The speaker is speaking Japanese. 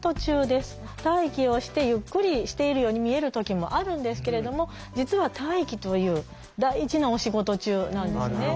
待機をしてゆっくりしているように見える時もあるんですけれども実は「待機」という大事なお仕事中なんですね。